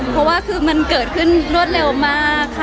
เพราะว่าคือมันเกิดขึ้นรวดเร็วมากค่ะ